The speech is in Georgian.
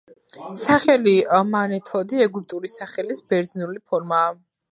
სახელი მანეთონი, ეგვიპტური სახელის ბერძნული ფორმაა.